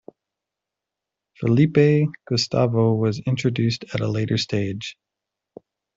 Felipe Gustavo was introduced at a later stage.